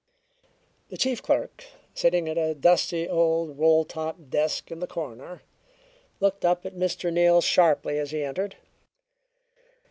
The chief clerk, sitting at a dusty old roll top desk in the corner, looked up at Mr. Neal sharply as he entered.